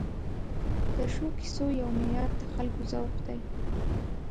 د ښو کیسو یو معیار د خلکو ذوق دی.